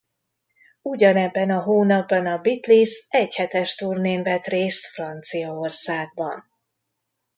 Ugyanebben a hónapban a Beatles egyhetes turnén vett részt Franciaországban.